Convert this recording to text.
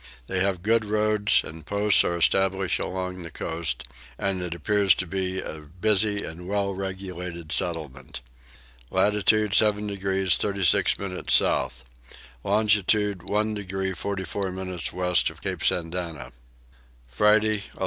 They have good roads and posts are established along the coast; and it appears to be a busy and well regulated settlement. Latitude 7 degrees 36 minutes south. Longitude 1 degree 44 minutes west of Cape Sandana. Friday 11.